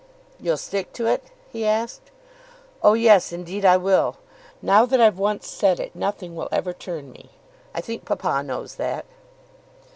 "You'll stick to it?" he asked. "Oh, yes; indeed I will. Now that I've once said it nothing will ever turn me. I think papa knows that."